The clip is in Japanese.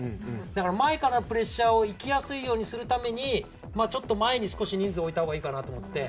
だから、前からプレッシャーに行きやすいようにするためにちょっと前に少し人数を置いたほうがいいと思って。